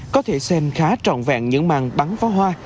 có thể xem khá trọn vẹn những màn bắn pháo hoa